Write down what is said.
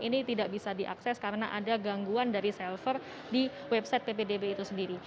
ini tidak bisa diakses karena ada gangguan dari selver di website ppdb itu sendiri